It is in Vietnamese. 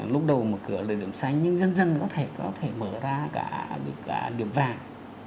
lúc đầu mở cửa là điểm xanh nhưng dần dần có thể mở ra cả điểm vàng